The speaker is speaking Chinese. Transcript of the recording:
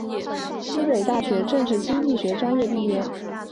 西北大学政治经济学专业毕业。